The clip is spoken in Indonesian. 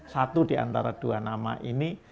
satu diantara dua nama ini